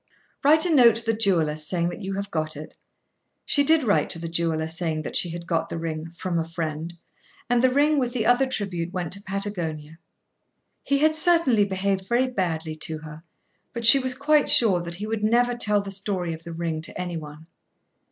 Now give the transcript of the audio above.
"Write a note to the jewellers saying that you have got it." She did write to the jeweller saying that she had got the ring, "from a friend;" and the ring with the other tribute went to Patagonia. He had certainly behaved very badly to her, but she was quite sure that he would never tell the story of the ring to any one.